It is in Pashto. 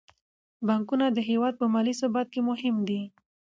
بانکونه د هیواد په مالي ثبات کې مهم دي.